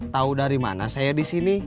tahu dari mana saya di sini